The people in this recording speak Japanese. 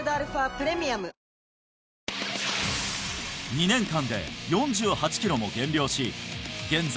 ２年間で４８キロも減量し現在